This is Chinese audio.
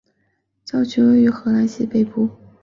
教区位于荷兰西北部。